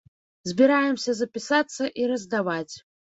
Збіраемся запісацца і раздаваць.